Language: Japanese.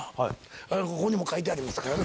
ここにも書いてありますから。